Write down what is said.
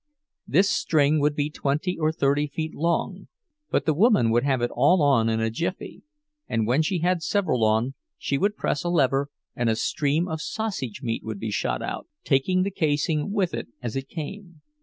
This string would be twenty or thirty feet long, but the woman would have it all on in a jiffy; and when she had several on, she would press a lever, and a stream of sausage meat would be shot out, taking the casing with it as it came.